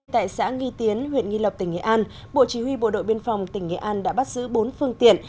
tại xã nghi tiến huyện nghi lộc tỉnh nghệ an bộ chỉ huy bộ đội biên phòng tỉnh nghệ an đã bắt giữ bốn phương tiện